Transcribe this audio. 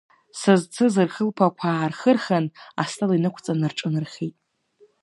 Сызцыз рхылԥақәа аархырхын, астол инықәҵаны рҿынархеит.